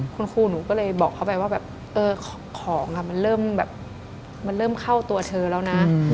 ครูหนูก็เลยบอกเขาไปว่าของมันเริ่มเข้าตัวเธอแล้วนะ